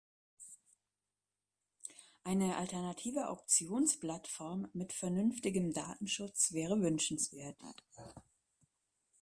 Eine alternative Auktionsplattform mit vernünftigem Datenschutz wäre wünschenswert.